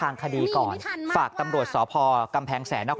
นี่โตมาแล้วมาโดนแบบนี้